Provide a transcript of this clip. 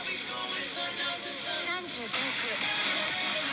「３５億」。